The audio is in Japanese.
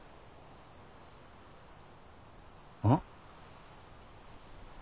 うん？